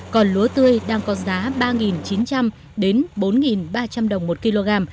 còn lúa tươi đang có giá ba chín trăm linh bốn ba trăm linh đồng một kg